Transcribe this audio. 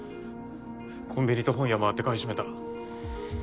コンビニと本屋まわって買い占めた。